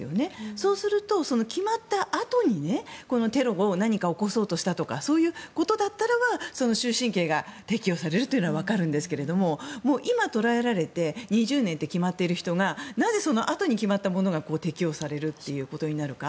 そうすると決まったあとにテロを何か起こそうとしたとかそういうことだったらば終身刑が適用されるというのはわかるんですが今、捕らえられて２０年と決まっている人がなぜそのあとに決まったものが適用されるということになるのか